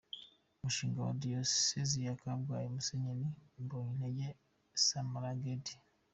Umushumba wa Diyoseze ya Kabgayi Musenyeri Mbonyintege Smaragde.